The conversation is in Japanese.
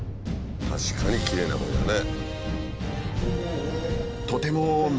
確かにきれいなコイだね。